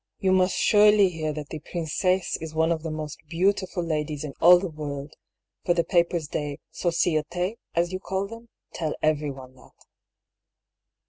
You must surely hear that the princesse is one of the most beautiful ladies in all the world ; for the papers de Sodite^ as you call them, tell everyone that.